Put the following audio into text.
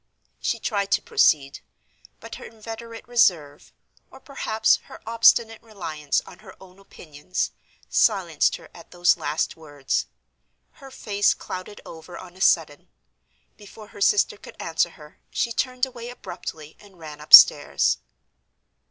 She tried to proceed; but her inveterate reserve—or, perhaps, her obstinate reliance on her own opinions—silenced her at those last words. Her face clouded over on a sudden. Before her sister could answer her, she turned away abruptly and ran upstairs.